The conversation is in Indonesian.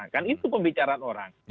kan itu pembicaraan orang